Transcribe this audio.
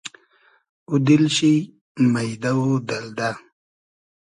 اوو دیل شی مݷدۂ و دئلدۂ